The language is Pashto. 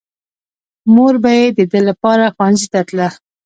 مور به يې د ده لپاره ښوونځي ته تله.